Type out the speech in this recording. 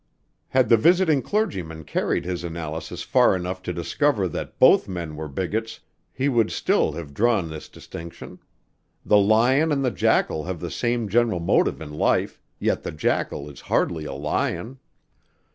Had the visiting clergyman carried his analysis far enough to discover that both men were bigots, he would still have drawn this distinction: the lion and the jackal have the same general motive in life, yet the jackal is hardly a lion.